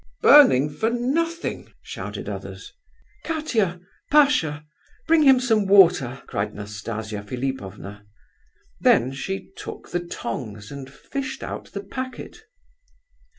"Burning for nothing," shouted others. "Katia Pasha! Bring him some water!" cried Nastasia Philipovna. Then she took the tongs and fished out the packet.